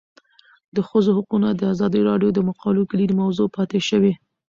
د ښځو حقونه د ازادي راډیو د مقالو کلیدي موضوع پاتې شوی.